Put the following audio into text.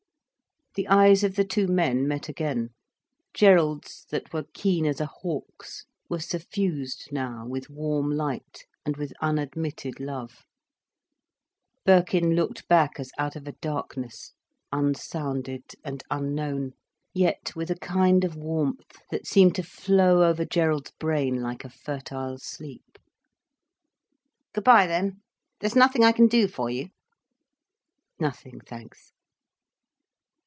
The eyes of the two men met again. Gerald's, that were keen as a hawk's, were suffused now with warm light and with unadmitted love, Birkin looked back as out of a darkness, unsounded and unknown, yet with a kind of warmth, that seemed to flow over Gerald's brain like a fertile sleep. "Good bye then. There's nothing I can do for you?" "Nothing, thanks."